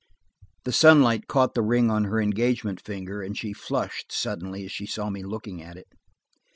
The sunlight caught the ring on her engagement finger; and she flushed suddenly as she saw me looking at it.